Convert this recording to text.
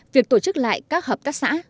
việc tổ chức lại các hợp tác sản